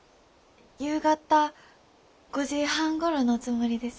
夕方５時半ごろのつもりです。